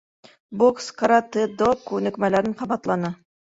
Бокс, каратэ-до күнекмәләрен ҡабатланы.